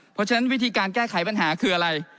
เพราะฉะนั้นวิธีการแก้ไขปัญหาคืออะไร